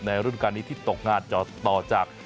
รุ่นการนี้ที่ตกงานต่อจาก